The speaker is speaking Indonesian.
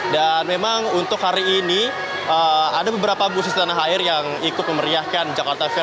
dan memang untuk hari ini ada beberapa musisi tanah air yang ikut memeriahkan jakarta fair